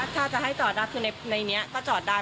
ถ้าจะให้จอดได้คือในนี้ก็จอดได้